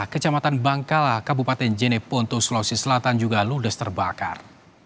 kecamatan bangkala kabupaten jeneponto sulawesi selatan juga ludes terbakar